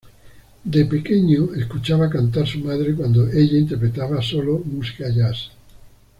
De pequeño, escuchaba cantar su madre cuando ella interpretaba solo música jazz.